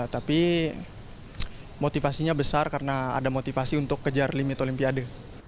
tapi motivasinya besar karena ada motivasi untuk kejar limit olimpiade